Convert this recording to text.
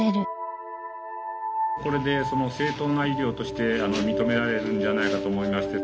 これで正当な医療として認められるんじゃないかと思いまして。